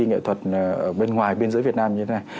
nghệ thuật ở bên ngoài bên giữa việt nam như thế này